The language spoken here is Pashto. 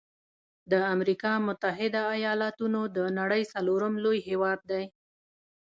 د امريکا متحده ایلاتونو د نړۍ څلورم لوی هیواد دی.